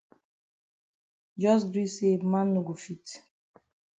Jos gree say man no go fit.